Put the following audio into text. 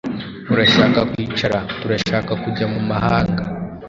urashaka kwicara? turashaka kujya mumahanga?